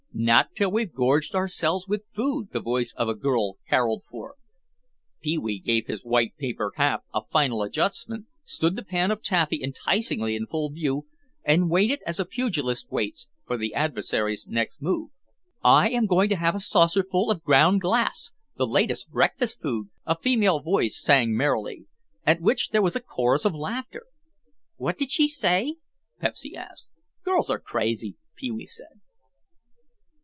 "Not till we've gorged ourselves with food," the voice of a girl caroled forth. Pee wee gave his white paper cap a final adjustment, stood the pan of taffy enticingly in full view and waited as a pugilist waits, for the adversary's next move. "I am going to have a saucerful of ground glass, the latest breakfast food," a female voice sang merrily. At which there was a chorus of laughter. "What did she say?" Pepsy asked. "Girls are crazy," Pee wee said.